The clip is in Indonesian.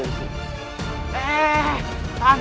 hei tahan tahan